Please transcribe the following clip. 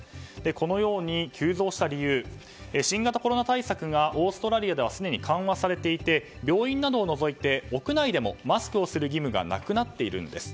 このように急増した理由は新型コロナ対策がオーストラリアではすでに緩和されていて病院などを除いて屋内でもマスクをする義務がなくなっているんです。